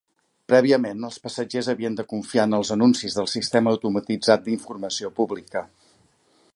Prèviament, els passatgers havien de confiar en els anuncis del sistema automatitzat d'informació pública.